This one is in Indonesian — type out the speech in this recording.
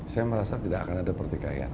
saya merasa tidak akan ada pertikaian